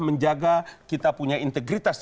menjaga kita punya integritas